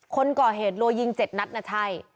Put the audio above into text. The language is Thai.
คนก่อเหตุรัวยิง๗นัดนะใช่